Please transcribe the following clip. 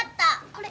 これ！